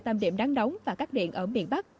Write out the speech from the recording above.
tâm điểm đắng đóng và các điện ở miền bắc